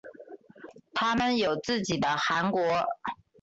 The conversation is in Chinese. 他们有自己的汗国。